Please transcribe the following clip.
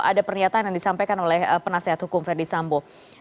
ada pernyataan yang disampaikan oleh penasehat hukum verdi sambo